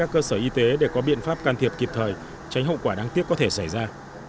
các bậc phụ huynh cũng khuyên các bậc phụ huynh để có biện pháp can thiệp kịp thời tránh hậu quả đáng tiếc có thể xảy ra